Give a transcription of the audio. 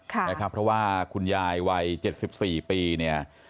เพราะว่าคุณยายวัย๗๔ปีเนี่ย